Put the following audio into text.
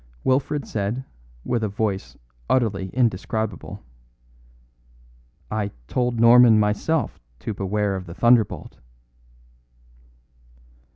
Wilfred said, with a voice utterly undescribable: "I told Norman myself to beware of the thunderbolt."